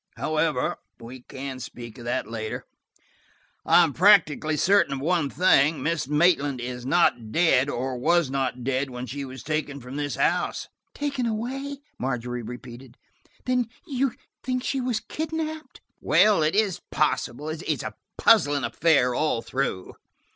However, we can speak of that later. I am practically certain of one thing, Miss Maitland is not dead, or was not dead when she was taken away from this house." "Taken away!" Margery repeated. "Then you think she was kidnapped?" "Well, it is possible. It's a puzzling affair all through.